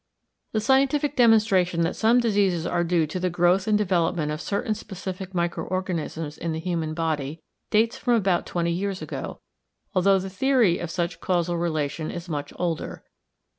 The scientific demonstration that some diseases are due to the growth and development of certain specific micro organisms in the human body dates from about twenty years ago, although the theory of such causal relation is much older.